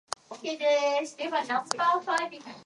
Its capital is the town Porto Novo.